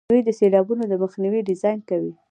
دوی د سیلابونو د مخنیوي ډیزاین کوي.